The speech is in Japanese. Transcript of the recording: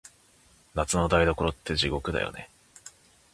夏の台所って、地獄だよね。